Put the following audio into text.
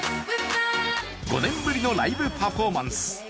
５年ぶりのライブパフォーマンス。